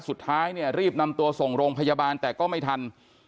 สุดท้ายเนี่ยรีบนำตัวส่งโรงพยาบาลแต่ก็ไม่ทัน